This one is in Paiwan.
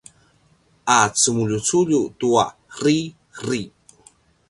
a cemuljuculju tua riri